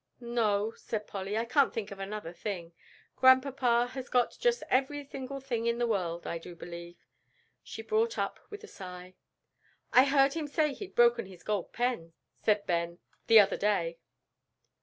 "No," said Polly, "I can't think of another thing. Grandpapa has got just every single thing in the world, I do believe," she brought up with a sigh. "I heard him say he'd broken his gold pen," said Ben, "the other day."